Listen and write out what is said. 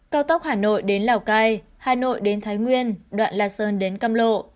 cao tốc hà nội đến lào cai hà nội đến thái nguyên đoạn lạ sơn đến căm lộ